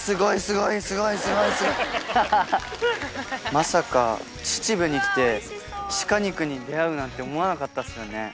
まさか秩父に来て鹿肉に出合うなんて思わなかったっすよね。